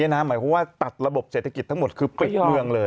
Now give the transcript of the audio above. หมายความว่าตัดระบบเศรษฐกิจทั้งหมดคือปิดเมืองเลย